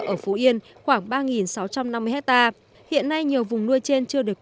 ở phú yên khoảng ba sáu trăm năm mươi hectare